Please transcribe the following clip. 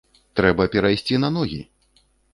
Трэба перайсці на ногі!